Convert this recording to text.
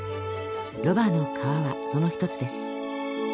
「ロバの皮」はその一つです。